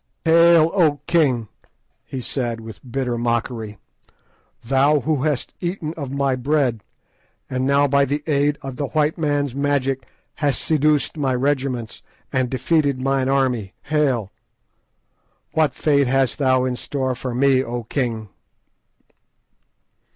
"Hail, O king!" he said, with bitter mockery; "thou who hast eaten of my bread, and now by the aid of the white man's magic hast seduced my regiments and defeated mine army, hail! What fate hast thou in store for me, O king?"